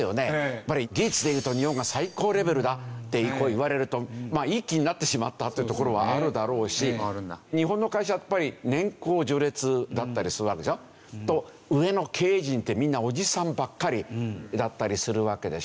やっぱり技術でいうと日本が最高レベルだってこういわれるとまあいい気になってしまったというところはあるだろうし日本の会社やっぱり年功序列だったりするわけでしょ。と上の経営陣ってみんなおじさんばっかりだったりするわけでしょ。